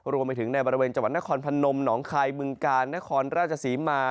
รวมไปถึงในบริเวณจังหวัดนครพนมหนองคายบึงกาลนครราชศรีมา